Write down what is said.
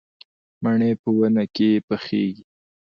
مڼې په ونې کې پخېږي